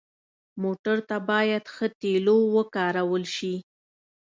موټر ته باید ښه تیلو وکارول شي.